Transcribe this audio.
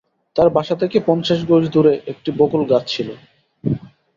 তার বাসা থেকে পঞ্চাশ গজ দূরে একটি বকুল গাছ ছিল।